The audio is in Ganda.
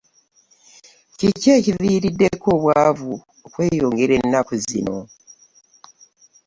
Kiki ekiviirideko obwavu okweyongera ennaku zino.